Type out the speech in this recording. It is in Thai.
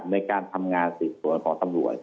ในการทำงานสืบสวนของตำรวจ